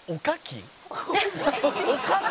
おかき？